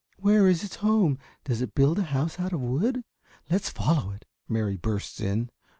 "Where is its home? Does it build a house out of wood? Let's follow it," Mary bursts in.